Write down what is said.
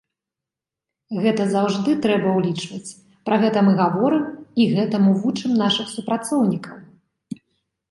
Гэта заўжды трэба ўлічваць, пра гэта мы гаворым і гэтаму вучым нашых супрацоўнікаў.